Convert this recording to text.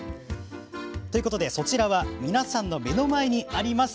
そちらは皆さんの目の前にあります。